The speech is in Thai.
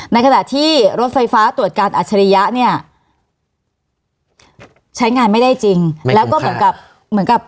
ในขณะที่รถไฟฟ้าตรวจการอัจฉริยะเนี่ยใช้งานไม่ได้จริงแล้วก็เหมือนกับเหมือนกับ